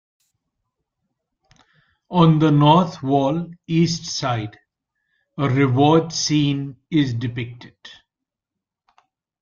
On the North Wall, East Side a reward scene is depicted.